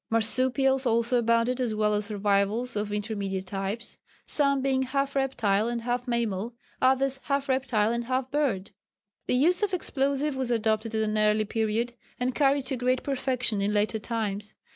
Marsupials also abounded as well as survivals of intermediate types some being half reptile and half mammal, others half reptile and half bird. The use of explosives was adopted at an early period, and carried to great perfection in later times.